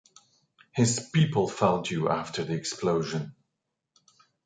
His people found you after the explosion.